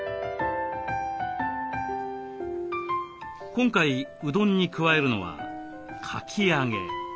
今回うどんに加えるのはかき揚げ。